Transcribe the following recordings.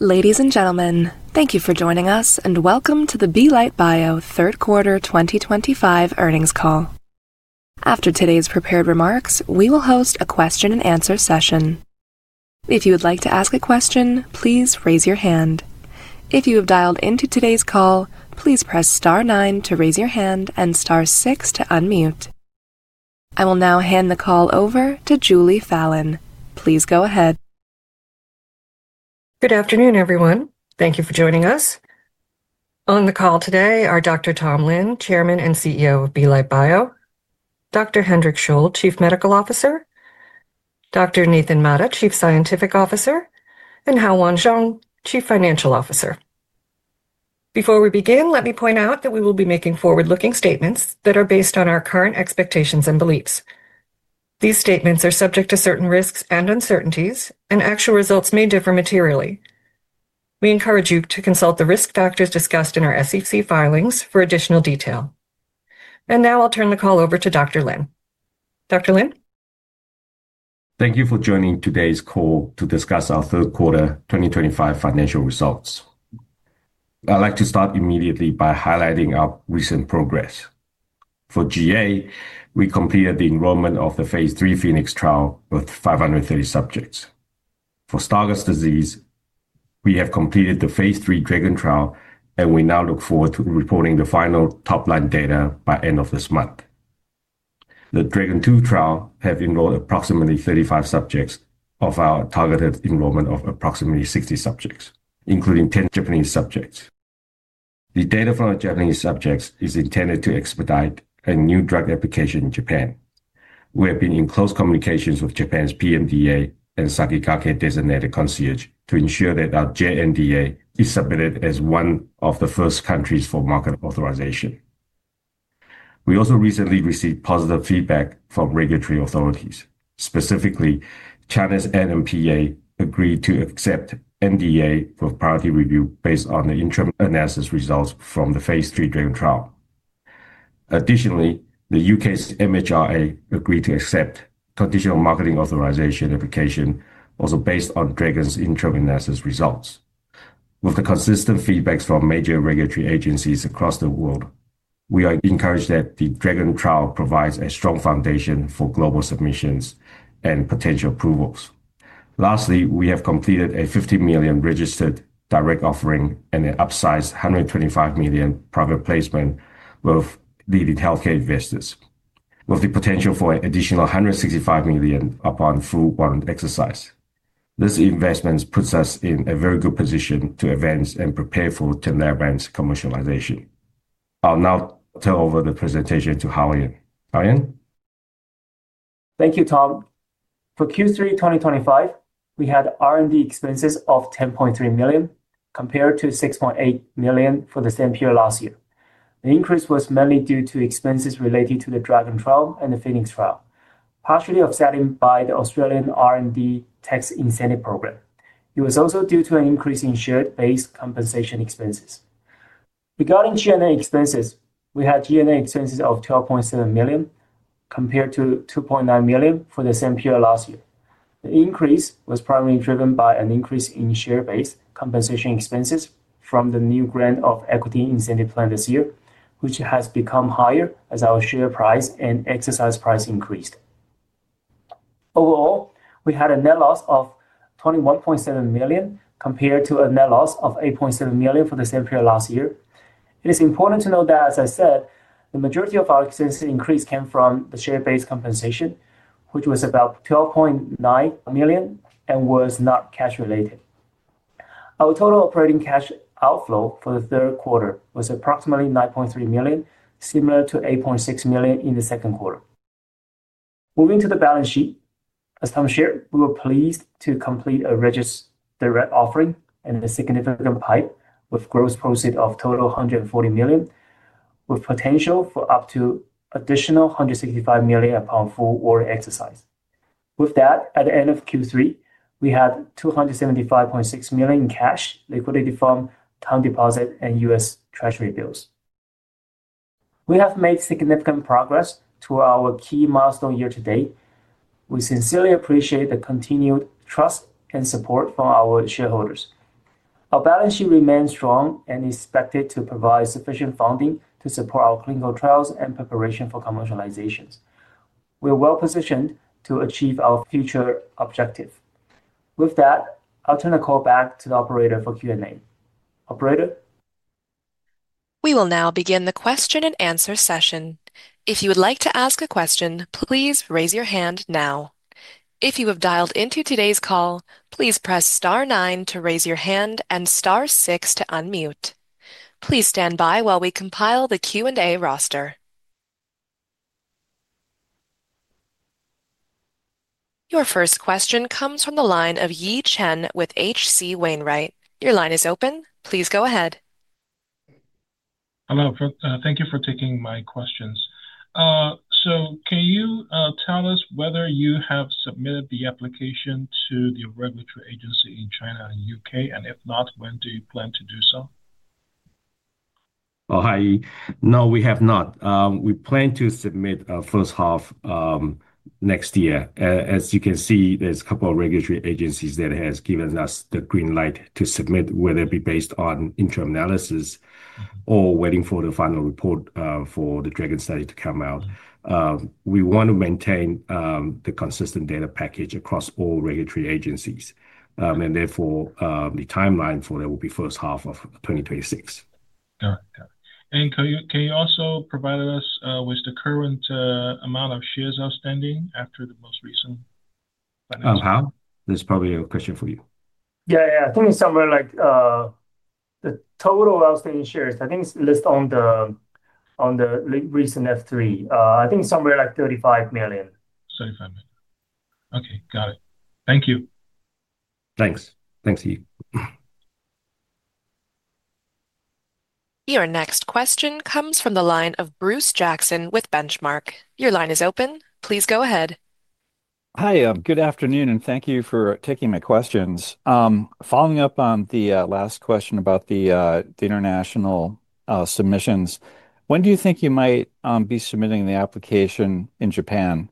Ladies and gentlemen, thank you for joining us, and welcome to the Belite Bio Q3 2025 Earnings Call. After today's prepared remarks, we will host a question-and-answer session. If you would like to ask a question, please raise your hand. If you have dialed into today's call, please press star 9 to raise your hand and star 6 to unmute. I will now hand the call over to Julie Fallon. Please go ahead. Good afternoon, everyone. Thank you for joining us. On the call today are Dr. Tom Lin, Chairman and CEO of Belite Bio, Dr. Hendrik Scholl, Chief Medical Officer, Dr. Nathan Mata, Chief Scientific Officer, and Hao-Yuan Chuang, Chief Financial Officer. Before we begin, let me point out that we will be making forward-looking statements that are based on our current expectations and beliefs. These statements are subject to certain risks and uncertainties, and actual results may differ materially. We encourage you to consult the risk factors discussed in our SEC filings for additional detail. Now I'll turn the call over to Dr. Lin. Dr. Lin? Thank you for joining today's call to discuss our Q3 2025 Financial Results. I'd like to start immediately by highlighting our recent progress. For GA, we completed the enrollment of the phase 3 Phoenix trial with 530 subjects. For Stargardt disease, we have completed the phase 3 DRAGON trial, and we now look forward to reporting the final top-line data by the end of this month. The DRAGON II trial has enrolled approximately 35 subjects of our targeted enrollment of approximately 60 subjects, including 10 Japanese subjects. The data from our Japanese subjects is intended to expedite a new drug application in Japan. We have been in close communications with Japan's PMDA and Sakigake Designated Concierge to ensure that our JNDA is submitted as one of the first countries for Marcet authorization. We also recently received positive feedback from regulatory authorities. Specifically, China's NMPA agreed to accept NDA for priority review based on the interim analysis results from the phase 3 DRAGON trial. Additionally, the U.K.'s MHRA agreed to accept conditional marketing authorization application also based on DRAGON's interim analysis results. With the consistent feedback from major regulatory agencies across the world, we are encouraged that the DRAGON trial provides a strong foundation for global submissions and potential approvals. Lastly, we have completed a $50 million registered direct offering and an upsized $125 million private placement with leading healthcare investors, with the potential for an additional $165 million upon full bond exercise. These investments put us in a very good position to advance and prepare for the commercialization. I'll now turn over the presentation to Hao-Yuan. Hao-Yuan? Thank you, Tom. For Q3 2025, we had R&D expenses of $10.3 million, compared to $6.8 million for the same period last year. The increase was mainly due to expenses related to the DRAGON trial and the Phoenix trial, partially offset by the Australian R&D tax incentive program. It was also due to an increase in share-based compensation expenses. Regarding G&A expenses, we had G&A expenses of $12.7 million, compared to $2.9 million for the same period last year. The increase was primarily driven by an increase in share-based compensation expenses from the new grant of equity incentive plan this year, which has become higher as our share price and exercise price increased. Overall, we had a net loss of $21.7 million, compared to a net loss of $8.7 million for the same period last year. It is important to note that, as I said, the majority of our expenses increase came from the share-based compensation, which was about $12.9 million and was not cash-related. Our total operating cash outflow for the Q3 was approximately $9.3 million, similar to $8.6 million in the Q2. Moving to the balance sheet, as Tom shared, we were pleased to complete a registered direct offering and a significant PIPE, with gross profit of total $140 million, with potential for up to an additional $165 million upon full board exercise. With that, at the end of Q3, we had $275.6 million in cash, liquidity from time deposit and US Treasury bills. We have made significant progress toward our key milestone year to date. We sincerely appreciate the continued trust and support from our shareholders. Our balance sheet remains strong and is expected to provide sufficient funding to support our clinical trials and preparation for commercialization. We are well-positioned to achieve our future objective. With that, I'll turn the call back to the operator for Q&A. Operator? We will now begin the question-and-answer session. If you would like to ask a question, please raise your hand now. If you have dialed into today's call, please press star 9 to raise your hand and star 6 to unmute. Please stand by while we compile the Q&A roster. Your first question comes from the line of Ye Chen with HC Wainwright. Your line is open. Please go ahead. Hello. Thank you for taking my questions. Can you tell us whether you have submitted the application to the regulatory agency in China and the U.K.? If not, when do you plan to do so? Oh, hi. No, we have not. We plan to submit the first half next year. As you can see, there's a couple of regulatory agencies that have given us the green light to submit, whether it be based on interim analysis or waiting for the final report for the DRAGON trial to come out. We want to maintain the consistent data package across all regulatory agencies. Therefore, the timeline for that will be the first half of 2026. Got it. Got it. Can you also provide us with the current amount of shares outstanding after the most recent? How? That's probably a question for you. Yeah, yeah. I think it's somewhere like the total outstanding shares. I think it's listed on the recent F-3. I think it's somewhere like $35 million. $35 million. Okay. Got it. Thank you. Thanks. Thanks to you. Your next question comes from the line of Bruce Jackson with Benchmark. Your line is open. Please go ahead. Hi. Good afternoon, and thank you for taking my questions. Following up on the last question about the international submissions, when do you think you might be submitting the application in Japan?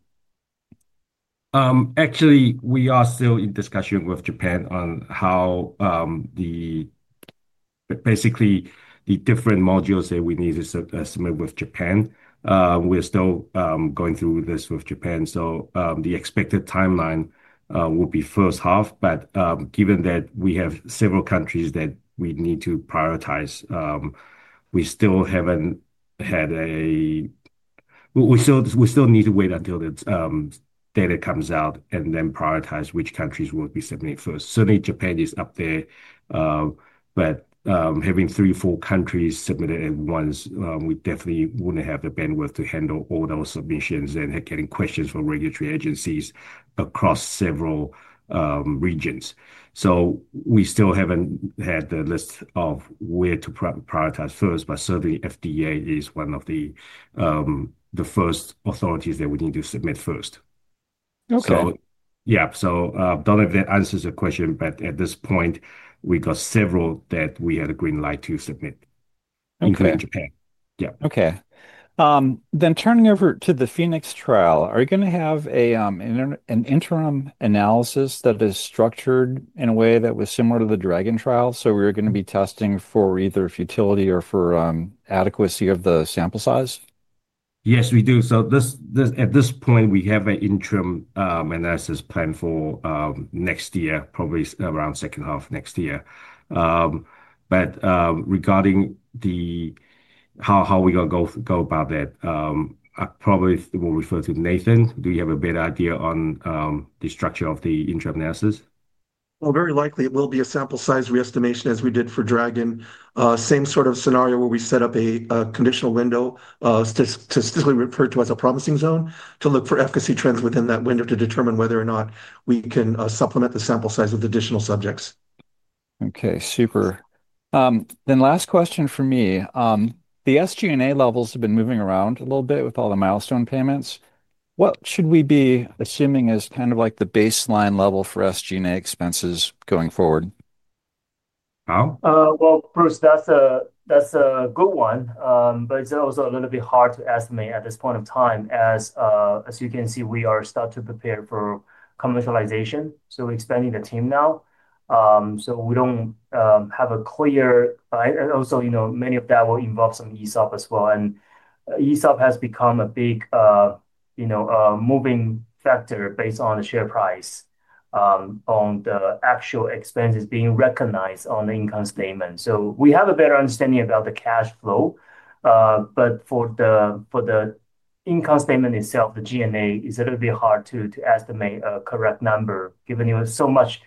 Actually, we are still in discussion with Japan on how basically the different modules that we need to submit with Japan. We're still going through this with Japan. The expected timeline will be the first half. Given that we have several countries that we need to prioritize, we still haven't had a—we still need to wait until the data comes out and then prioritize which countries will be submitted first. Certainly, Japan is up there. Having three or four countries submitted at once, we definitely wouldn't have the bandwidth to handle all those submissions and getting questions from regulatory agencies across several regions. We still haven't had the list of where to prioritize first. Certainly, FDA is one of the first authorities that we need to submit first. Yeah. I don't know if that answers your question. At this point, we got several that we had a green light to submit in Japan. Yeah. Okay. Then turning over to the Phoenix trial, are you going to have an interim analysis that is structured in a way that was similar to the DRAGON trial? So we're going to be testing for either futility or for adequacy of the sample size? Yes, we do. At this point, we have an interim analysis planned for next year, probably around the second half of next year. Regarding how we're going to go about that, I probably will refer to Nathan. Do you have a better idea on the structure of the interim analysis? Very likely it will be a sample size re-estimation as we did for DRAGON. Same sort of scenario where we set up a conditional window to strictly refer to as a promising zone to look for efficacy trends within that window to determine whether or not we can supplement the sample size with additional subjects. Okay. Super. Then last question for me. The SG&A levels have been moving around a little bit with all the milestone payments. What should we be assuming as kind of like the baseline level for SG&A expenses going forward? How? Bruce, that's a good one. It is also a little bit hard to estimate at this point in time. As you can see, we are starting to prepare for commercialization. We are expanding the team now. We do not have a clear—and also, you know, many of that will involve some ESOP as well. ESOP has become a big moving factor based on the share price on the actual expenses being recognized on the income statement. We have a better understanding about the cash flow. For the income statement itself, the G&A is a little bit hard to estimate a correct number, given it was so much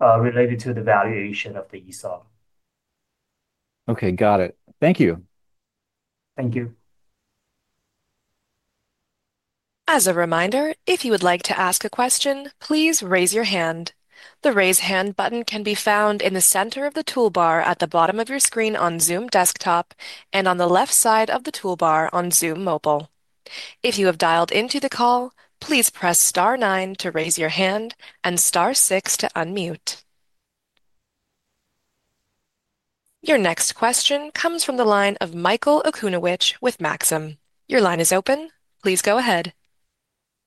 related to the valuation of the ESOP. Okay. Got it. Thank you. Thank you. As a reminder, if you would like to ask a question, please raise your hand. The raise hand button can be found in the center of the toolbar at the bottom of your screen on Zoom desktop and on the left side of the toolbar on Zoom mobile. If you have dialed into the call, please press star 9 to raise your hand and star 6 to unmute. Your next question comes from the line of Michael Okuniewicz with Maxim Group. Your line is open. Please go ahead.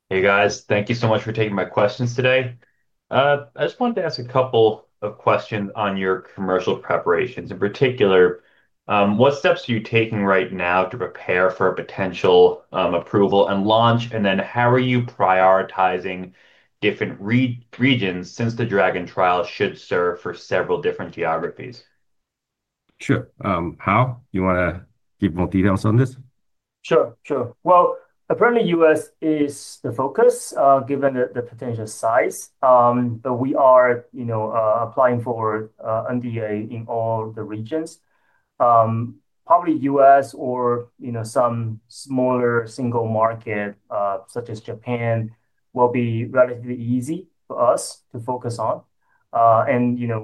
Hey, guys. Thank you so much for taking my questions today. I just wanted to ask a couple of questions on your commercial preparations. In particular, what steps are you taking right now to prepare for a potential approval and launch? Then how are you prioritizing different regions since the DRAGON trial should serve for several different geographies? Sure. Hao-Yuan, you want to give more details on this? Sure. Sure. Apparently, U.S. is the focus given the potential size. We are applying for NDA in all the regions. Probably U.S. or some smaller single Marcet, such as Japan, will be relatively easy for us to focus on.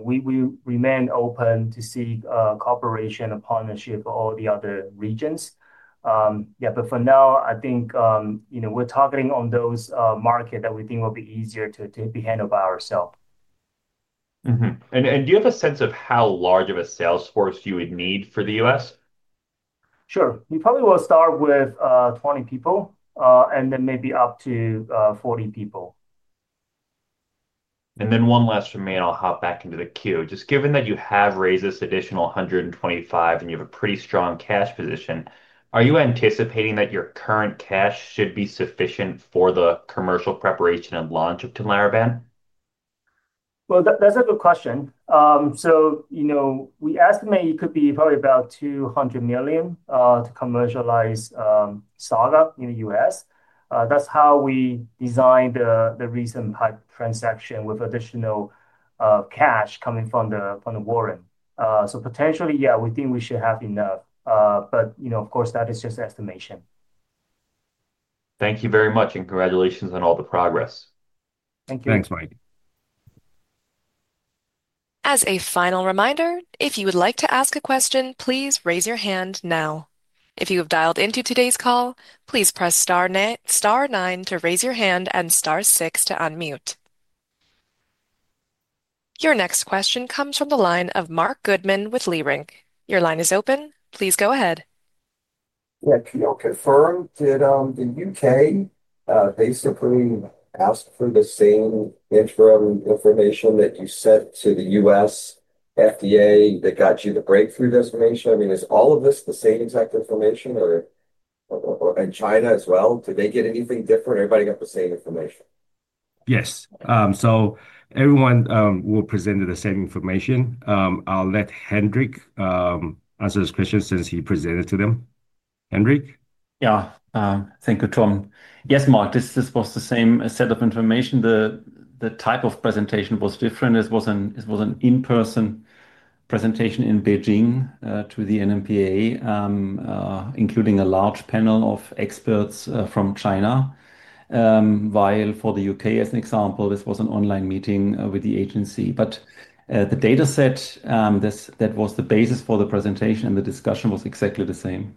We remain open to seek cooperation and partnership for all the other regions. Yeah. For now, I think we're targeting on those markets that we think will be easier to be handled by ourselves. Do you have a sense of how large of a sales force you would need for the US? Sure. We probably will start with 20 people and then maybe up to 40 people. One last for me, and I'll hop back into the queue. Just given that you have raised this additional $125 million and you have a pretty strong cash position, are you anticipating that your current cash should be sufficient for the commercial preparation and launch of Tinlarebant? That's a good question. We estimate it could be probably about $200 million to commercialize Saga in the U.S. That's how we designed the recent PIPE transaction with additional cash coming from the warrant. Potentially, yeah, we think we should have enough. Of course, that is just estimation. Thank you very much. Congratulations on all the progress. Thank you. Thanks, Mike. As a final reminder, if you would like to ask a question, please raise your hand now. If you have dialed into today's call, please press star 9 to raise your hand and star 6 to unmute. Your next question comes from the line of Marc Goodman with Leerink. Your line is open. Please go ahead. Yeah. Can you all confirm that the U.K. basically asked for the same interim information that you sent to the U.S. FDA that got you the breakthrough designation I mean, is all of this the same exact information? And China as well? Did they get anything different? Everybody got the same information? Yes. So everyone will present the same information. I'll let Hendrik answer this question since he presented to them. Hendrik? Yeah. Thank you, Tom. Yes, Marc. This was the same set of information. The type of presentation was different. It was an in-person presentation in Beijing to the NMPA, including a large panel of experts from China. While for the U.K., as an example, this was an online meeting with the agency. But the dataset that was the basis for the presentation and the discussion was exactly the same.